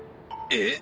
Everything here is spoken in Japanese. えっ？